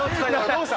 どうした？